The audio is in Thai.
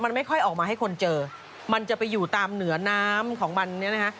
มันไม่ค่อยออกมาให้คนเจอมันจะไปอยู่ตามเหนือน้ำของมันเนี่ยนะฮะ